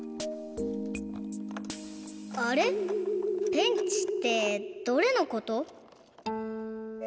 ペンチってどれのこと？